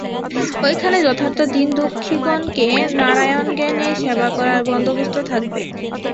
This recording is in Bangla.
ঐখানে যথার্থ দীনদুঃখিগণকে নারায়ণজ্ঞানে সেবা করবার বন্দোবস্ত থাকবে।